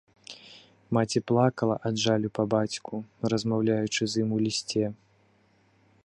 Маці плакала ад жалю па бацьку, размаўляючы з ім у лісце.